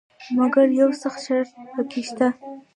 مګر یو سخت شرط پکې شته.